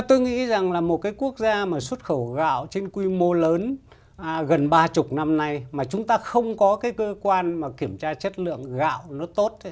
tôi nghĩ rằng là một cái quốc gia mà xuất khẩu gạo trên quy mô lớn gần ba mươi năm nay mà chúng ta không có cái cơ quan kiểm tra chất lượng gạo nó tốt